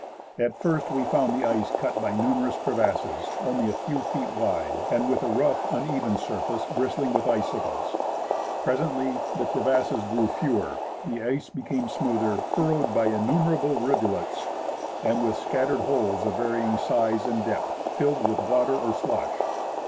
At first we found the ice cut by numerous crevasses, only a few feet wide, and with a rough, uneven surface bristling with icicles. Presently the crevasses grew fewer, the ice became smoother, furrowed by innumerable rivulets, and with scattered holes of varying size and depth, filled with water or slush.